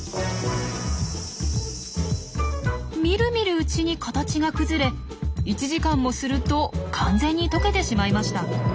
みるみるうちに形が崩れ１時間もすると完全に溶けてしまいました。